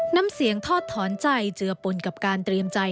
น้ำเสียงทอดถอนใจเจือปนกับการเตรียมใจ